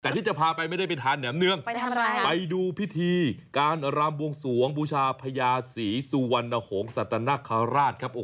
แต่ที่จะพาไปไม่ได้เป็นทางแหน่งเนื้องไปดูพิธีการรำบวงส่วงบูชาพญาสีสุวรรณอโหงสัตวนคราชครับ